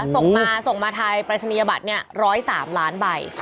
ส่งมาส่งมาถ่ายปริศนียบัตรเนี่ย๑๐๓ล้านใบ